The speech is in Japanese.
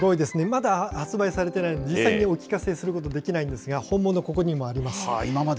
まだ発売されていないので、実際にお聞かせすることはできないんですが、本物、ここにもあります。